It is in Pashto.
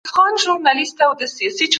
کله چي قدرت ختم سي نو ملګري هم ځي.